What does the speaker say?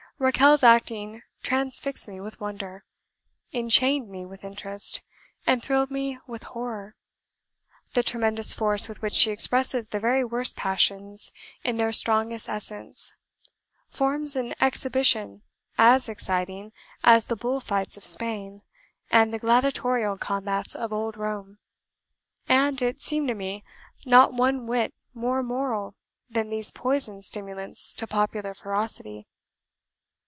"Rachel's acting transfixed me with wonder, enchained me with interest, and thrilled me with horror. The tremendous force with which she expresses the very worst passions in their strongest essence forms an exhibition as exciting as the bull fights of Spain, and the gladiatorial combats of old Rome, and (it seemed to me) not one whit more moral than these poisoned stimulants to popular ferocity.